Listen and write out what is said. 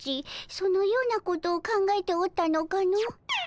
そのようなことを考えておったのかの？